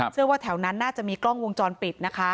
เชื่อว่าแถวนั้นน่าจะมีกล้องวงจรปิด